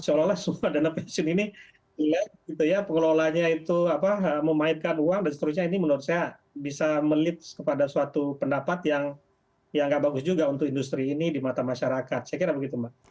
seolah olah semua dana pensiun ini pengelolanya itu apa memaitkan uang dan seterusnya ini menurut saya bisa melead kepada suatu pendapat yang nggak bagus juga untuk industri ini di mata masyarakat saya kira begitu mbak